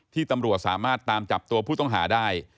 ตำรวจสามารถตามจับตัวผู้ต้องหาได้